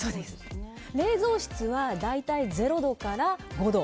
冷蔵室は大体０度から５度。